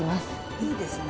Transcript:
いいですね。